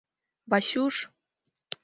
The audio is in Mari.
— Васюш!